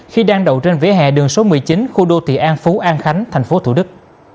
khi đang đậu trên vỉa hẹ đường số một mươi chín khu đô thị an phú an khánh tp thủ đức